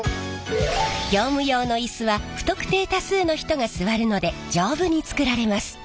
業務用のイスは不特定多数の人が座るので丈夫に作られます。